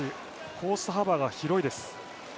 コース幅が広いです。